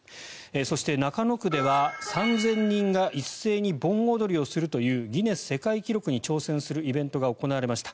そして、中野区では３０００人が一斉に盆踊りをするというギネス世界記録に挑戦するイベントが行われました。